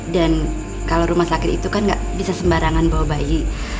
kalau rumah sakit itu kan nggak bisa sembarangan bawa bayi